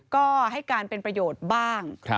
ก็ให้การเป็นประโยชน์บ้าง